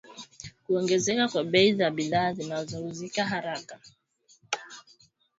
kuongezeka kwa bei za bidhaa zinazouzika haraka